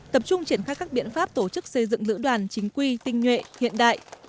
tập trung triển khai các biện pháp tổ chức xây dựng lữ đoàn chính quy tinh nhuệ hiện đại